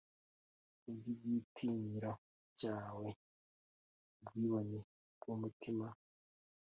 Ku bw igitinyiro cyawe ubwibone bw umutima